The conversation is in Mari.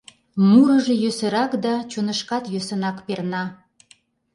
Мурыжо йӧсырак да чонышкат йӧсынак перна.